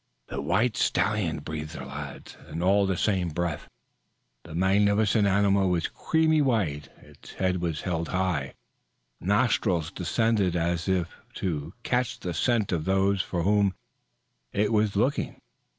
"The white stallion," breathed the lads all in the same breath. The magnificent animal was a creamy white. Its head was held high, nostrils distended as if to catch the scent of those for whom it was looking.